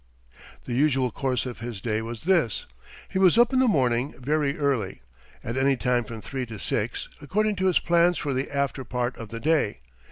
The usual course of his day was this: He was up in the morning very early, at any time from three to six, according to his plans for the after part of the day.